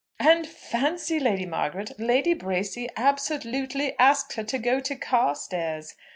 "And fancy, Lady Margaret, Lady Bracy absolutely asked her to go to Carstairs!